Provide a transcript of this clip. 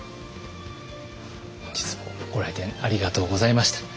本日もご来店ありがとうございました。